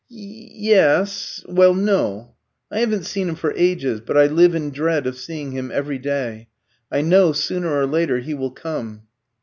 "Ye yes. Well, no. I haven't seen him for ages, but I live in dread of seeing him every day. I know, sooner or later, he will come."